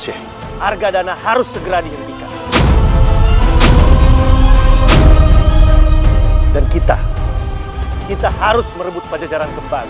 syekh harga dana harus segera dihentikan dan kita kita harus merebut pajajaran kembali